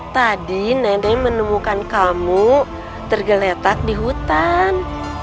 tadi nenek menemukan kamu tergeletak di hutan